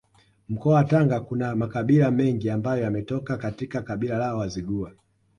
Mkoa wa Tanga kuna makabila mengi ambayo yametoka katika kabila la Wazigua